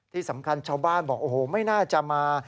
ที่สำคัญชาวบ้านบอกโอ้โหไม่น่าจะมา